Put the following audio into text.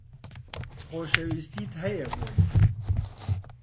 خۆشەویستیت هەیە بۆی